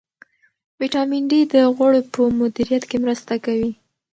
ویټامین ډي د غوړو په مدیریت کې مرسته کوي.